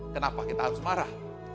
kenapa kita harus marah